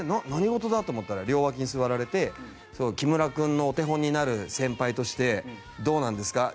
何事だ？と思ったら両脇に座られて木村君のお手本になる先輩としてどうなんですか？